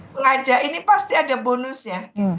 mengajak ini pasti ada bonusnya